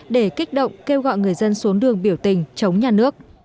để kích động kêu gọi người dân xuống đường biểu tình chống nhà nước